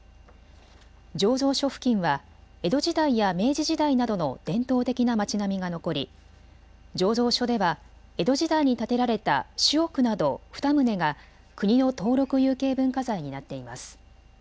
醸造所付近は江戸時代や明治時代などの伝統的な町並みが残り醸造所では江戸時代に建てられた主屋など２棟が国の登録有形文化財になっています。